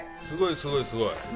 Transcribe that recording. すごいすごいすごい。